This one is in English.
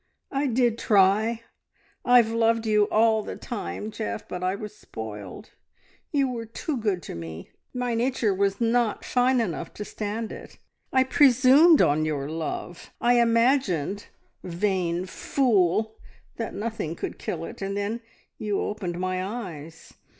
I did try! I've loved you all the time, Geoff, but I was spoiled. You were too good to me. My nature was not fine enough to stand it. I presumed on your love. I imagined, vain fool! that nothing could kill it, and then you opened my eyes.